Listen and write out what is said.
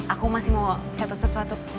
aku masih mau catat sesuatu